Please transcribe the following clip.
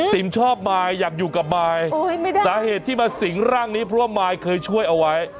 ชอบมายอยากอยู่กับมายสาเหตุที่มาสิงร่างนี้เพราะว่ามายเคยช่วยเอาไว้